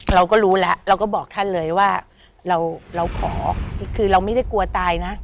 เราก็รู้แล้วเราก็บอกท่านเลยว่าเราขอคือเราไม่ได้กลัวตายนะ